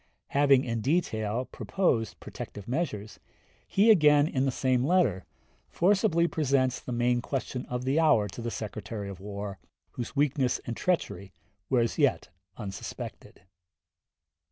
Having in detail proposed protective measures, he again, in the same letter, forcibly presents the main question of the hour to the Secretary of War, whose weakness and treachery were as yet unsuspected.